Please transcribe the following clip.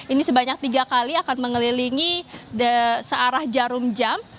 ini sebanyak tiga kali akan mengelilingi searah jarum jam